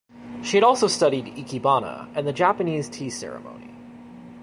She had also studied "ikebana" and the Japanese tea ceremony.